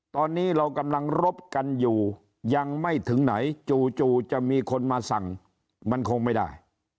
ตอนนี้เรากำลังรบกันอยู่ยังไม่ถึงไหนจู่จะมีคนมาสั่งมันคงไม่ได้